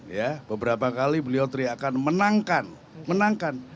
ya beberapa kali beliau teriakan menangkan menangkan